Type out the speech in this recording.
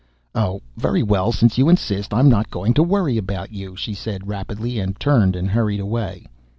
"Oh, very well, since you insist I'm not going to worry about you," she said rapidly, and turned and hurried away.